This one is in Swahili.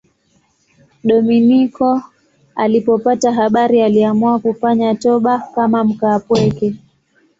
Dominiko alipopata habari aliamua kufanya toba kama mkaapweke.